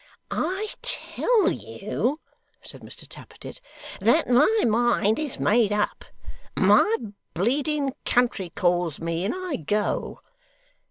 'I tell you,' said Mr Tappertit, 'that my mind is made up. My bleeding country calls me and I go!